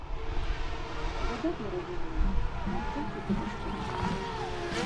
Выдатна разумею, наколькі гэта стомна.